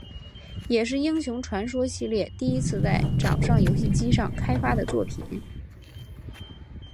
也是英雄传说系列第一次在掌上游戏机上开发的作品。